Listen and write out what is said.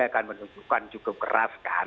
akan menunjukkan cukup keras kan